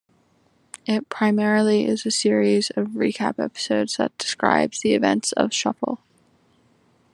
It primarily is a series of recap episodes that describes the events of Shuffle!